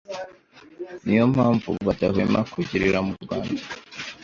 Ni yo mpamvu badahwema kugirira mu Rwanda